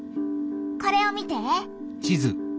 これを見て！